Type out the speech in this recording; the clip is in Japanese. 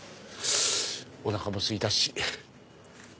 おなかもすいたし。